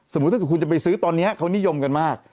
สมมุติว่าถ้าคุณจะไปซื้อตอนนี้เขานิยมกันมาก